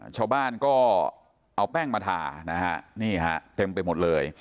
ชาวบ้านก็เอาแป้งมาทาเต็มไปหมดเลย